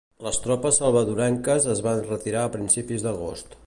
Les tropes salvadorenques es van retirar a principis d'agost.